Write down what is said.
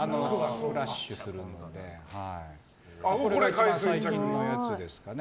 一番最近のやつですね。